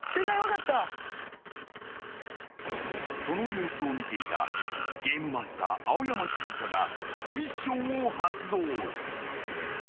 ［その様子を見ていたゲームマスター青山シズカがミッションを発動］